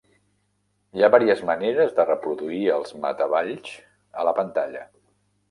Hi ha vàries maneres de reproduir els metaballs a la pantalla.